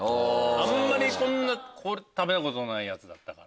あんまり食べたことないやつだったから。